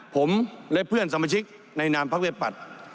ผมและเพื่อนสามัชิกในนามภักดิ์ไว้ปัด